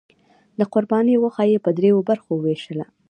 د قربانۍ غوښه یې په دریو برخو وویشله.